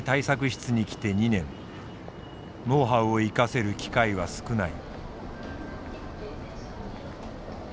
ノウハウを生かせる機会は少ない。